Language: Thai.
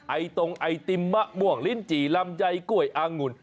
ไอตรงไอติมมะม่วงลิ้นจี่ลำไยกล้วยอังุ่น